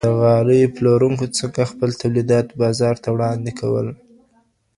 د غالیو پلورونکو څنګه خپل تولیدات بازار ته وړاندي کول؟